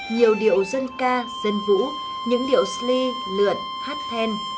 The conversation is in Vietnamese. nhiều điệu dân ca dân vũ những điệu sli lượn hát then